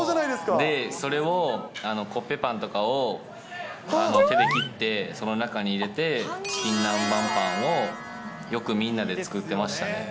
で、それをコッペパンとかを手で切って、その中に入れて、チキン南蛮パンをよくみんなで作ってましたね。